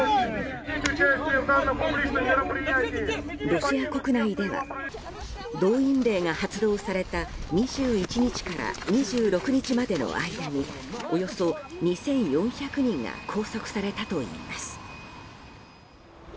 ロシア国内では動員令が発動された２１日から２６日までの間におよそ２４００人が拘束されたといいます。